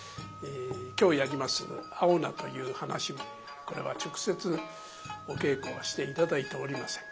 今日やります「青菜」という噺もこれは直接お稽古はして頂いておりません。